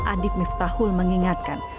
adib miftahul mengingatkan